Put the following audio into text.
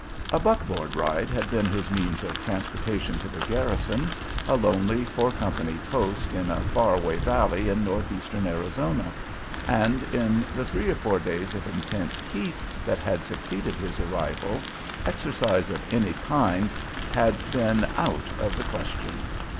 A "buck board" ride had been his means of transportation to the garrison, a lonely four company post in a far away valley in Northeastern Arizona, and in the three or four days of intense heat that had succeeded his arrival exercise of any kind had been out of the question.